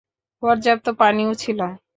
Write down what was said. পর্যাপ্ত পানিও ছিল।